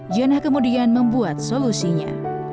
jana kemudian membuat solusinya